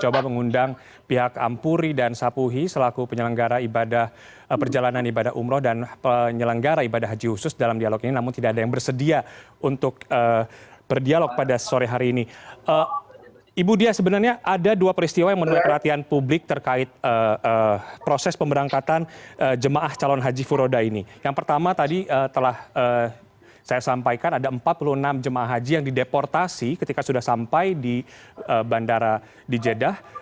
bagaimana kecelakaan haji yang dideportasi ketika sudah sampai di bandara di jeddah